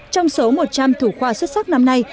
trong số một trăm linh thủ khoa xuất sắc năm nay